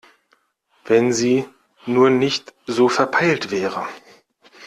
Wenn sie nur nicht so verpeilt wäre!